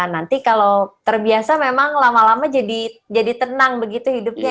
nanti kalau terbiasa memang lama lama jadi tenang begitu hidupnya